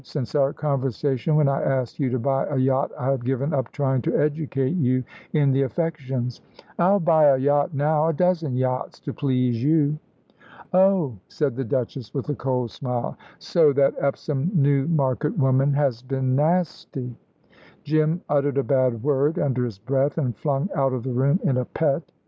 Since our conversation when I asked you to buy a yacht I have given up trying to educate you in the affections." "I'll buy a yacht now a dozen yachts, to please you." "Oh," said the Duchess, with a cold smile; "so that Epsom Newmarket woman has been nasty." Jim uttered a bad word under his breath, and flung out of the room in a pet.